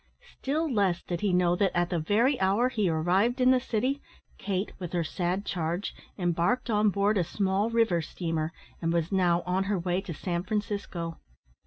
Still less did he know that, at the very hour he arrived in the city, Kate, with her sad charge, embarked on board a small river steamer, and was now on her way to San Francisco.